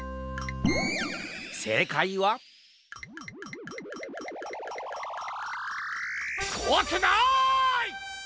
せいかいは？こわくない！